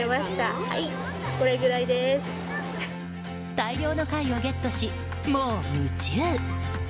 大量の貝をゲットし、もう夢中。